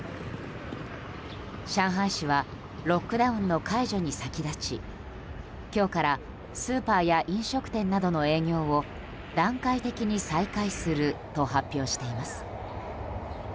上海市はロックダウンの解除に先立ち今日からスーパーや飲食店などの営業を段階的に再開すると発表しています。